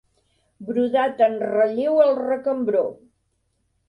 Brodat en relleu al recambró.